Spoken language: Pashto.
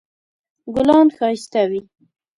ګلان ښایسته وي